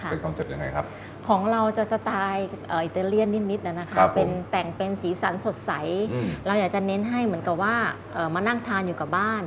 พูดถึงคอนเซปต์การตกแต่งของร้านมันดีกว่า